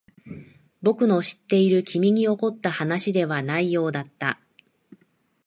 僕の知っている君に起こった話ではないようだった。